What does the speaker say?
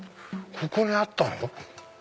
ここにあったの？